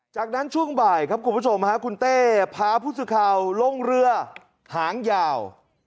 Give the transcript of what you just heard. จากนั้นช่วงบ่ายคุณผู้ชมคุณเต้พาพุทธสุข่าวลงเรือหางยาว